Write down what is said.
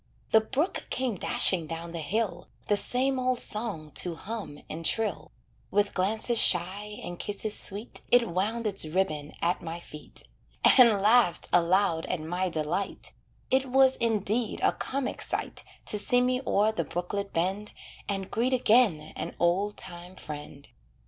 The brook came dashing down the hill, The same old song to hum and trill; With glances shy and kisses sweet, It wound its ribbon at my feet, And laughed aloud at my delight It was indeed a comic sight To see me o'er the brooklet bend, And greet again an old time friend.